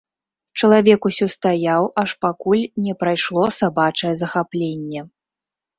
Чалавек усё стаяў, аж пакуль не прайшло сабачае захапленне.